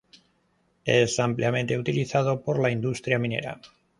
Es ampliamente utilizado por la industria minera.